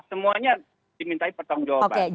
semuanya dimintai pertanggung jawaban